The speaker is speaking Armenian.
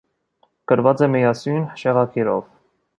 Գրված է միասյուն, շեղագիրով։